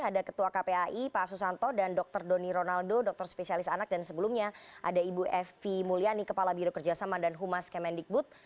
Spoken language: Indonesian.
ada ketua kpai pak susanto dan dokter doni ronaldo dokter spesialis anak dan sebelumnya ada ibu f v mulyani kepala birokerjasama dan humas kemendikbud